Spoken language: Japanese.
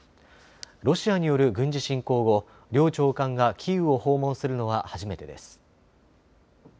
ロシアによる軍事侵攻後両長官がキーウを訪問するのは初めてです。